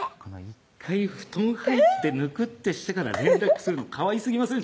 １回布団入ってぬくってしてから連絡するのかわいすぎません？